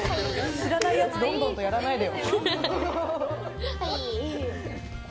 知らないやつどんどんとやらないでよ。